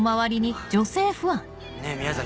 ねぇ宮崎